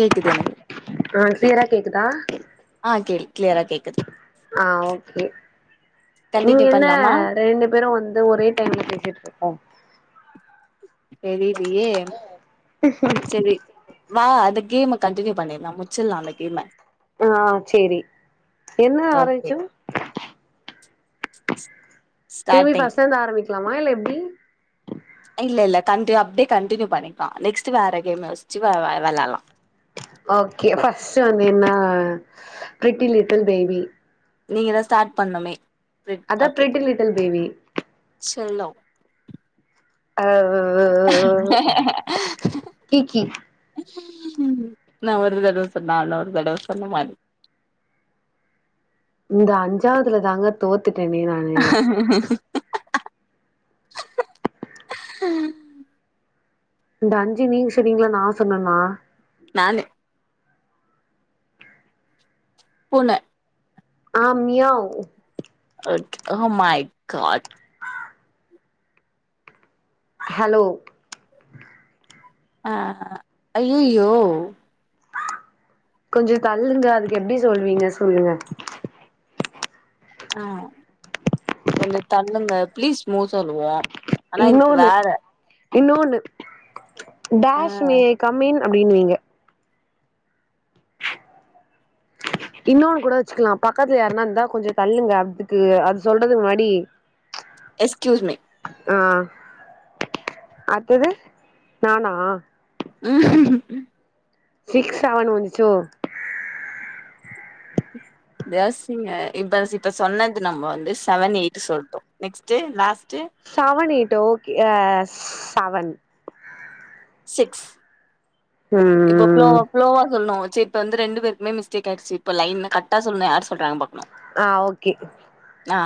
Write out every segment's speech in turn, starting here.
கேக்குது எனக்கு ஆஹ் சீரா கே இருக்கா ஆ கே கிளியரா கேக்குது ஆஹ் ஓகே நீங்க கண்டினியூ என்ன பண்லாமா ரெண்டு பேரு வந்து ஒரே டைம்ல பேசிட் இருக்கோம் தெரியலையே செரி வா அந்த கேம் கண்டினியூ பண்ணிருலா முச்சிட்டலா அந்த கேம்ம ஆஹ் செரி என்ன ஓகே ஆரம்மிச்சோ திரும்பி ஸ்டார்டிங் ஃபஸ்ட்ல இருந்து ஆரம்மிக் லாமா இல்ல எப்டி இல்ல இல்ல கண்டினியூ அப்டியே கண்டினியூ பண்ணிக்லா நெக்ஸ்ட் வேற கேம் யோஸ்ச்சு வேற வெளையாடலா ஓகே ஃபஸ்ட் வந்து என்ன பிரிட்டி லிட்டில் பேபி நீங்க தா ஸ்டார்ட் பண்ணுமே ப்ரிட் அதா பிரிட்டி லிட்டில் பேபி செல்லோ ஆஹ் கீகி நா ஒரு தடவ சொன்னா நூறு தடவ சொன்ன மாரி இந்த அஞ்சாவதுல தாங்க தோத் துட்டேன்டி நானு இந்த அஞ்சு நீங்க சொன்னிங்களா நா சொன்னேனா நானு பூன ஆஹ் meow at oh my god hello ஆ‌ அய்யய்யோ கொஞ்சோ தள்ளுங்க அதுக்கு எப்டி சொல்வீங்க சொல்லுங்க ஆ கொஞ்சோ தள்ளுங்க பிளீஸ் மூ சொல்லுவோ ஆனா இதுக் வேற இன்னோன்னு ஆ டாஷ் மே ஐ கம்இன் அப்டின்னுவீங்க இன்னோனு கூட வச்சிக்லா பக்கத்ல யார்னாந்தா கொஞ்சோ தள்ளுங்க அத்துக்கு அது சொல்றது முன்னாடி எக்ஸ்கியூஸ் மி ஆ அத்தது நானா சிக்ஸ் சவன் வந்துச்சோ [unintelligible] இப்ப சிப்ப சொன்னது நம்ம வந்து சவன் எயிட்டு சொல்ட்டோ ‌நெக்ஸ்ட் லாஸ் சவன் எயிட் டோ எஸ் சவன் சிக்ஸ் இப்ப ஃப்லோ ம் ஃப்லோவா சொல்னோ உ செ இப்ப வந்து ரெண்டு பேர்க்குமே மிஸ்டேக் ஆயிர்ச்சு ஆ ஓகே ஆ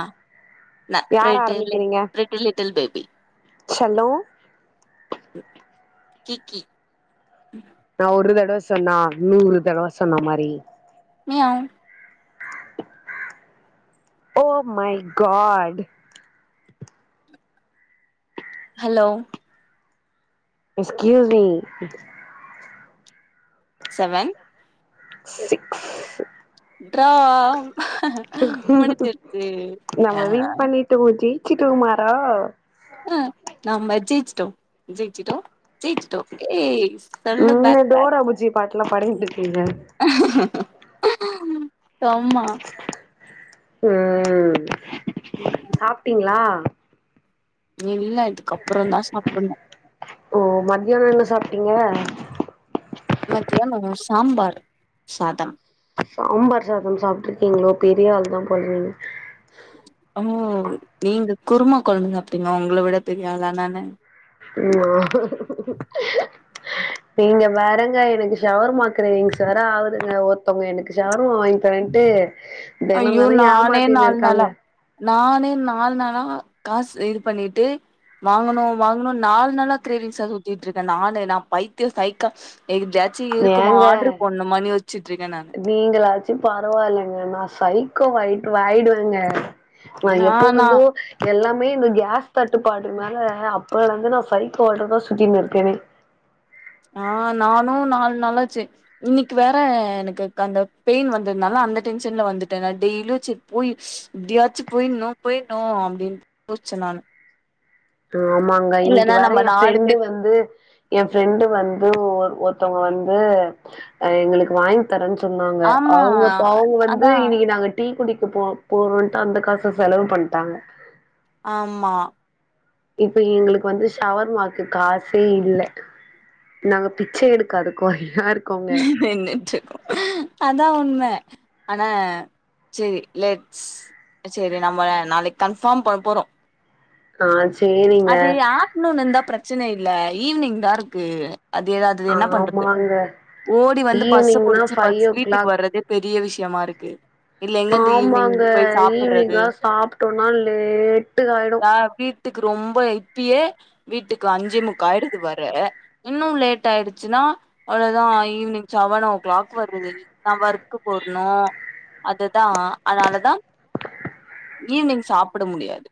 நா ட்ரே யார் டெல் ஆரம்பிக்கிறீங்க லிட்டில் லிட்டில் பே [unintelligible] கி கி [inaudible] நா ஒரு தடவ சொன்னா நூறு தடவ சொன்ன மாரி meow oh my god hello excuse me seven six [unintelligible] முடிஞ்சிருச்சு நம்ம ஆ வின் பண்ணிட்டோ ஜெ சுட்டோ மாறா ஆ நம்ம ஜெய்ச்சிட்டோ ஜெய்ச்சிட்டோ ஜெய்ச்சிட்டோ ஏ உம் டோரா புஜ்ஜி பாட் ல்லா பாடி அஹ சும்மா உம் ம். சாப்பிட்டீங்களா இல்ல இதுக்கப்புறந்தா சாப்பிட்ணு ஓ மத்தியானோ என்ன சாப்பிட்டீங்க மத்தியானோ சம்பார் சாதம் சாம்பார் சாதம் சாப்பிட்டு இருக்கீங்களோ பெரிய ஆள் தா போலையே ஓ நீங்க குருமா குழம்பு சாப்டீங்களா உங்களை விட பெரிய ஆளானானு [unintelligible] நீங்க வேறங்க எனக்கு ஷவர்மா கிரேவிங்ஸ் ஆகுதுங்க ஒருத்தவங்க எனக்கு ஷவர்மா ம் வாங்கி தாரேன்ட்டு தினம் ஐயோ தானே நானே ஏமாத்தினு நாலு இருக்காங்க நாளா நானே நாலு நாளா காசு இது பண்ணிட்டு வாங்கணு வாங்கணு நாலு நாளா கிரேவிங்ஸா சுத்திட்டு இருக்கே நானே நா பைத்தியோ சைக்கோ எத்யாச்சு இருக்குமா ஆர்டர் ஏங்க போண்ணுமானு யோச்சுட்டு இருக்கேன் நானு பரவாயில்லைங்க நான் சைக்கோ வயிட்டு ஆயிடுவேங்க நான் நானா எப்பொழுது எல்லாமே இந்த கேஸ் கட்டுப்பாட்டுக்கு மேல அப்பலந்து நா சைக்கோவாட்டந்தா சுத்திட்டுருக்கேனே ஆஹ் நானும் நாலு நாளாச்சு இன்னைக்கு வேற எனக்கு அந்த பெயின் வந்ததுனால அந்த டென்ஷன்ல வந்துட்டேன் நான் டெய்லியும் சு போய் எப்படியாச்சும் போயணும் போயிடணும் அப்படின்னு யோசிச்சேன் நான் ஆமாங்க இன்னிக்கு வேற என் நாலு ஃப்ரெண்டு பேர் வந்து என் ஃப்ரெண்டு வந்து ஒருத்தவங்க வந்து எங்களுக்கு வாங்கி தரன் சொன்னாங்க ஆமா அவங்க ப அவங்க வந்து அதா இன்னிக்கு நாங்க டீ குடிக் க போ போரோன்ட்டு அந்த காச செலவு பண்ட்டாங்க ஆம்மா இப்ப எங்களுக்கு வந்து ஷவர்மாக்கு காசே இல்ல நாங்க பிச்சை எடுக்காத கோயில் நின்னுட்டு இருக்கோ அதா உண்மை ஆனா செரி லெட்ஸ் செரி நம்ம நாளைக்கு கன்ஃபார்ம் பண்ண போறோ ஆஹ் அது ஆஃப்நூன் இருந்தா பிர பிரச்சன இல்ல ஈவ்னிங்தார்க்கு அதேதா அத்தது என்னா பண்றது ஆமாங்க ஓடி வந்து பஸ்ச ஈவினிங்னா புடிச்சு ஃபைவ் ஃபர்ஸ் ஓ வீட்டுக் கிளாக் வர்றதே பெரிய விஷ் யமா இருக்கு இல்ல எங்கந்து ஈவினிங் ஆமாங்க போய் சாப்புட்றது ஈவ்னிங்னா சாப்ட்டோனா லேட்டு ஆயிடோ க்கு ரொம்ப இப்பியே வீட்டுக்கு அஞ்ஜே முக்கா ஆயிடுது வர இன்னு லேட் ஆயிடுச்சுன்னா அவ்ளோதா ஈவ்னிங் சவன் ஓ கிளாக் வருது [inaudible] நா ஒர்க்கு போக்னோ அதுதா அதனாலதா ஈவ்னிங் சாப்பட முடியாது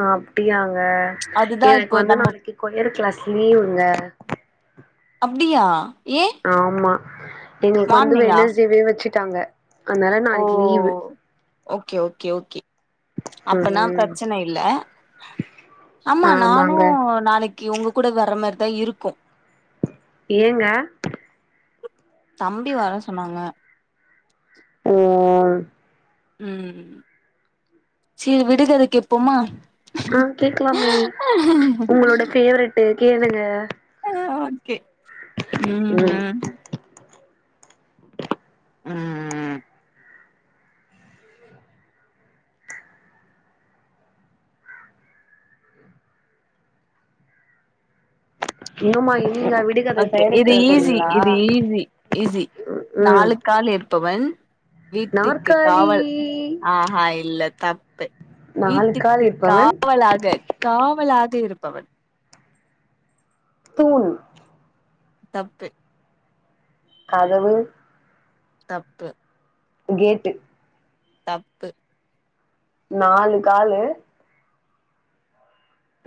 அ அப்டியாங் கா அதுதா எனக்கு இப்போ வந்து நம்ம நாளைக்கு கொரியரு ஃக்ளாஸ் லீவுங்க அப்டியா ஏ ஆமா அ எங்களுக்கு வந்து மார்னிங்கா வேனஸ்டேவே வச்சுக் ட்டாங்க அதனால ஓ நாளைக்கு லீவு ஓகே ஓகே ஓகே அப்பனா ம் ப்ரச்சன இல்ல ஆமா நானு ஆமாங்க நாளைக்கி உங்க கூட வர்றமார் தா இருக்கு ஏங்க தம்பி வர சொன்னாங்க உம் உ உம் செரி விடுகத கேப்போமா ஆ கேக்கலாமே உங்களோட ஃபேவரட்டு கேளுங்க ம் ஓகே உம் ம் உம் உம் உம் இன்னும்மா இன் ஓகே இது ஈஸி இது ஈஸி ஈஸி ம் நாலுகால் இருப்பவன் வீட்டுக்கு நாற்காலி காவல் ஆஹா இல்ல தப் ஃபே நாலு கால் வீட்டுக்கு இருப்பவன் காவலாக காவ் [unintelligible] லாக இருப்பவன் தூண் தப்பு கதவு தப்பு ஃகேட்டு தப்பு நாலு காலு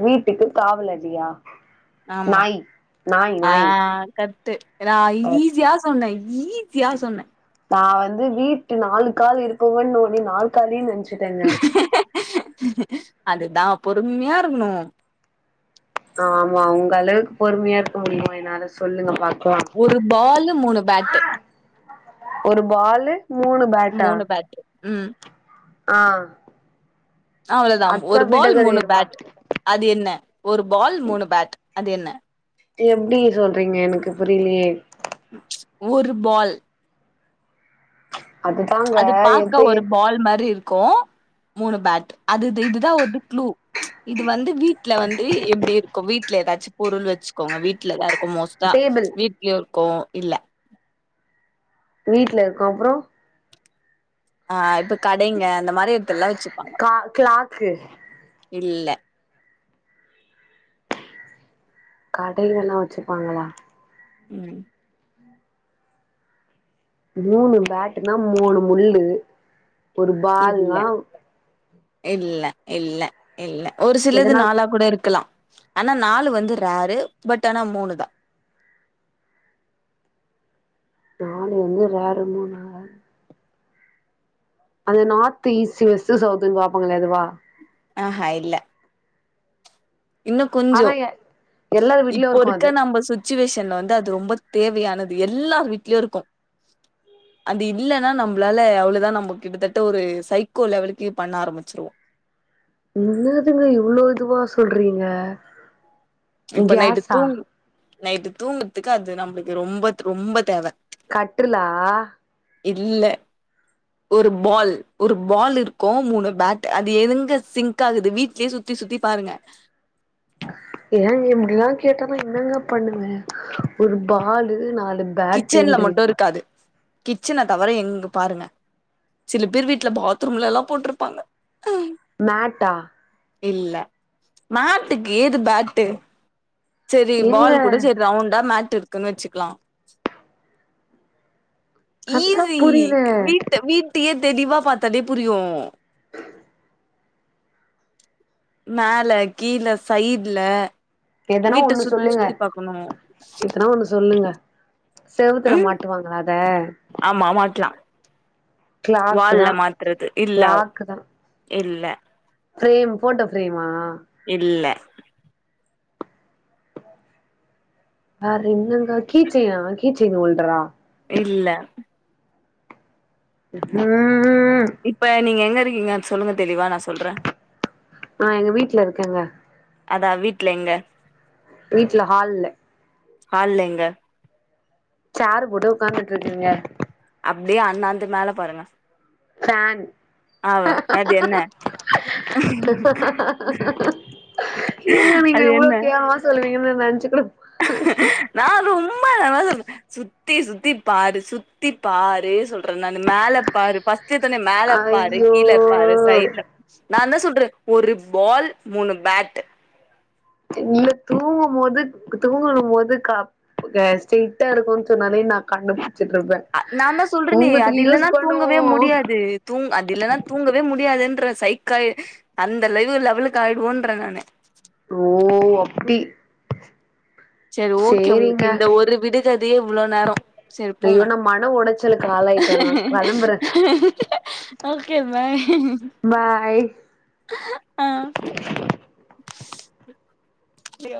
வீட்டுக்கு காவலஜியா ஆமா ஆ நாய் கத் து எனா அ ஈஜியா சொன்னே ஈசியா சொன்னே து வீட்டு நாலு கால் இருக்கோவோ ஒன்னே நாற்காலின் நென்ச் சிடேங்க அதுதா பொறும்யா இருகுணு ஆமா உங்க அளவுக்கு பொறும்யா இருக்க முடியுமா என்னால சொல்லுங்க பாக் ஒரு பாலு மூணு பேட்டு ஒரு பாலு மூணு பேட்டா உம் அ அவ்ளோதா ஒரு பால் மூணு பேட் அது என்ன ஒரு பால் மூணு பேட் அது என்ன எப்டி சொல்றீங்க எனக்கு புரிலியே ஒரு பால் அதுதாங்க எந்த எத் கோ மூணு பேட் அது இத் இதுதா ஒரு க்ளு ச்ச் இது வந்து வீட்ல வந்து எப்டி இருக்கு வீட்ல எதாச்சு பொருள் வச்சுக்கோங்க வீட்லா தா இருக் கு மோஸ்ட்டா டேபிள் வீட் [unintelligible] கோ இல்ல வீட்ல இருக்கு அப்றோ அ இப்ப கடைங்க அந்த மாரி எத்துல்லா வச்சுப்பாங்கோ கா கிளாக்கு இல்ல கடைங்கல்லா வச்சுப்பாங்களா உம் மூணு பேட்டுனா மூணு முள்ளு ஒரு இல்ல பால்னா இல்ல இல்ல இல்ல ஒரு சிலது எதனா நாளா கூட இருக்கலா ஆனா நாலு வந்து ரேரு பட் ஆனா மூணுதா நாலு வந்து ரேறுமோ நா [unintelligible] அந்த நார்த் ஈஸ்ட் வெஸ்ட் சவுத்துன்னு பாப்பாங்களே அதுவா அ அ இல்ல இன்னு கொஞ்சோ ஆனா எ எல்லார் வீட்லயு இப்போ இருக்கு அது ருக்க நம்ப சுத் சுச்சுவேஷன் வந்து அது ரொம்ப தேவையானது எல்லார் வீட்ல்யு இருக்கு அது இல்லனா நம்ப்ளால அவ்ளோதா நம்ம கிட்டத்தட்ட ஒரு சைக்கோ லெவலுக்கு பண்ண ஆரம்பிச்சிர்வோ இன்னாதுங்க இவ்ளோ இதுவா சொல்றீங்க இப்ப நைட்டு கேஸா தூங் நைட்டு தூங்குற்துக்கு அது நம்ப்ளுக்கு ரொம்பத் ரொம்ப தேவ கட்டுலா இல்ல ஒரு பால் ஒரு பால் இருக்கு மூணு பேட் அது எதுங்க சிங்க் ஆகுது வீட்லியே சுத்தி சுத்தி பாருங்க என்னங்க இப்டிலா கேட்டா நா என்னெங்க பண்ணுவ ஒரு பாலு நாலு கிச்சன்ல மட்டு பேட்டுன்றீங்க இருக்காது கிச்சன தவிர எங்க பாருங்க சில பேர் வீட்டுல பாத்ரூம்ல எல்லா போட்டிருப்பாங்க மேட்டா இல்ல மேட்டுக்கு ஏது பேட்டு சரி ஏங்க பால் கூட சரி ரவுண்டா மேட்ருக்கு ன்னு வச்சுக்கலா அதா ஈஸி புரியல வீட்டு வீட்டயே தெளிவா பாத்தாலே புரியு மேல கீழ சைடுல எதனா ஒன்னு சொல்லுங்க எதனா ஒன்னு சொல்லுங்க செவுத்துல ம் மாட்டுவாங்களா அத கிளாக்கு வாழ்ல தா மாத்துறது இல்ல இல்ல பிரேம் போட்டோ பிரேம்மா இல்ல வேற என்னங்க கீச்சைனா கீச்சைன்னு ஒன்றா இல்ல ம் இப்ப நீங்க எங் க இருக்கீங்க சொல்லுங்க தெளிவா நா சொல்றே ஆஹ் எங்க வீட்டு்ல இருக்கேங்க அதா வீட்டுல எங்க வீட்டு்ல ஹால்ல ஹால்ல எங்க சாரு போட்டா உக்காந்துட்ருக்கீங்க அப்டியே அண்ணாந்து மேல பாருங்க ஃபேன் ஆவ அது என்ன அது என்ன லஞ்சம் நா ரொம்ப சுத்தி சுத்தி பாரு சுத்தி பாரு சொல் ருந்தே அந்த மேல பாரு ஃபஸ்டே தொன்னே மேலப்பாரு ஐயோ கீழப்பாரு சைட்ல நா தா சொல்றே ஒரு பால் மூணு பேட்டு இல்ல தூங்கும் போது தூங்கும் போது கப்புங்க ஸ்டெய்டா இருக்குன் சொன்னாலே நா கண்டு புடிச் அஹ் நா தா சொல்றெனே அது யூஸ் இல்லனா பண்ணுவோ தூங்கவே முடியாது தூங் அது இல்லனா தூங்கவே முடியாதுன் ன்ற சைக்கள் அந்த மாதிரி லெவலுக்கு ஆய்டுவோன்றே நானு ஓ அப்டி செரி ஓகே உங்களுக்கு சேரிங்க இந்த ஒரு விடுகதையே இவ்ளோ நேர செரி ஐயோ போங்க நா மன உடைச்சலுக்கு ஆளாயிட்டே நா கெளம்புறே ஓகே பாய் பாய் ஆஹ் [unintelligible]